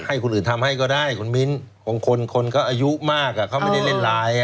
ให้คนอื่นทำให้ก็ได้คุณมิ้นบางคนคนเขาอายุมากเขาไม่ได้เล่นไลน์